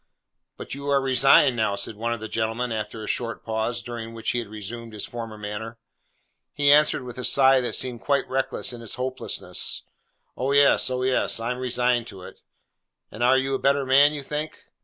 'But you are resigned now!' said one of the gentlemen after a short pause, during which he had resumed his former manner. He answered with a sigh that seemed quite reckless in its hopelessness, 'Oh yes, oh yes! I am resigned to it.' 'And are a better man, you think?